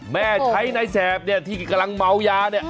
แม่ใช้ในแสบเนี่ยที่กำลังเมายาเนี่ย